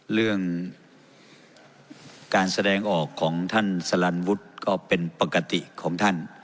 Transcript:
เรื่องการแสดงออกของท่านสลันวุฒิก็เป็นปกติของท่าน